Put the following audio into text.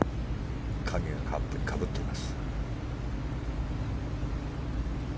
影がカップにかかっています。